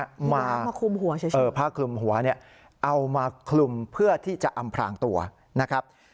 มามาคลุมหัวเฉยเออผ้าคลุมหัวเนี่ยเอามาคลุมเพื่อที่จะอำพลางตัวนะครับ